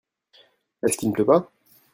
Est-ce qu'il ne pleut pas ?